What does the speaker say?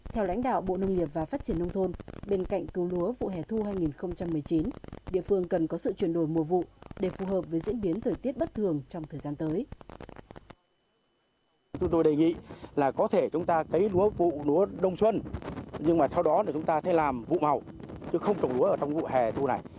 theo lãnh đạo bộ nông nghiệp và phát triển nông thôn bên cạnh cứu lúa vụ hè thu hai nghìn một mươi chín địa phương cần có sự chuyển đổi mùa vụ để phù hợp với diễn biến thời tiết bất thường trong thời gian tới